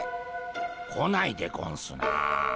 来ないでゴンスな。